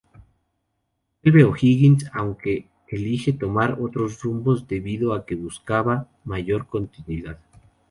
Vuelve a O'Higgins aunque elige tomar otros rumbos debido a que buscaba mayor continuidad.